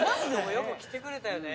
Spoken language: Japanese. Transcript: よく来てくれたよね。